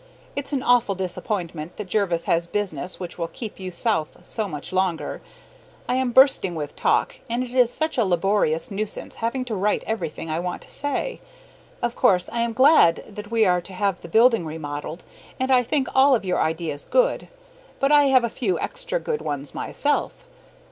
It's an awful disappointment that Jervis has business which will keep you South so much longer. I am bursting with talk, and it is such a laborious nuisance having to write everything I want to say. Of course I am glad that we are to have the building remodeled, and I think all of your ideas good, but I have a few extra good ones myself.